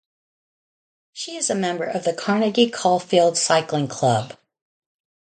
She is a member of the Carnegie Caulfield Cycling Club.